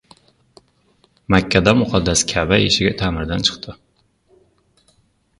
Makkada muqaddas Ka’ba eshigi ta’mirdan chiqdi